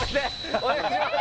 お願いします